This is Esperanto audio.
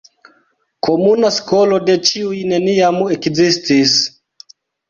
Komuna skolo de ĉiuj neniam ekzistis.